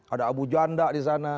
ada abu janda di sana